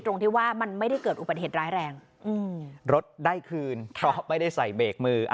ตรงที่ว่ามันไม่ได้เกิดอุบัติเหตุร้ายแรงรถได้คืนเพราะไม่ได้ใส่เบรกมือ